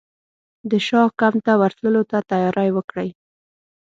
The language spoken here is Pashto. د شاه کمپ ته ورتللو ته تیاري وکړي.